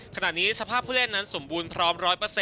ขณะนี้สภาพผู้เล่นนั้นสมบูรณ์พร้อม๑๐๐